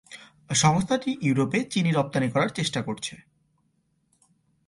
সংস্থাটি ইউরোপে চিনি রপ্তানি করার চেষ্টা করছে।